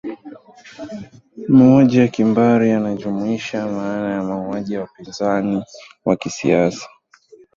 mauaji ya kimbari yanajumuisha maana ya mauaji ya wapinzani wa kisiasa